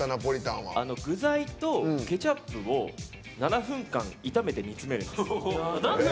具材とケチャップを７分間炒めて煮詰めるんです。